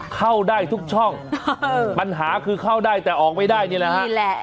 เข้าได้ทุกช่องปัญหาคือเข้าได้แต่ออกไม่ได้นี่แหละฮะนี่แหละ